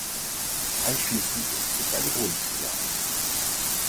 Anschließend zog eine Grundschule ein.